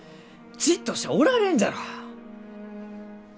じっとしちゃおられんじゃろう？